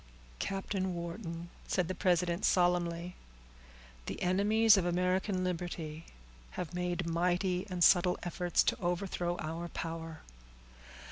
"Captain Wharton," said the president, solemnly, "the enemies of American liberty have made mighty and subtle efforts to overthrow our power.